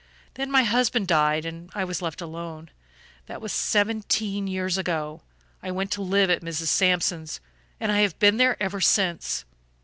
Then my husband died and I was left alone. That was seventeen years ago. I went to live at Mrs. Sampson's, and I have been there ever since.